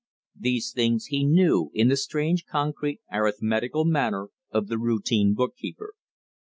These things he knew in the strange concrete arithmetical manner of the routine bookkeeper.